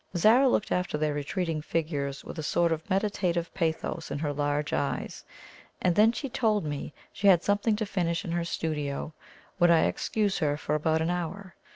Zara looked after their retreating figures with a sort of meditative pathos in her large eyes; and then she told me she had something to finish in her studio would I excuse her for about an hour?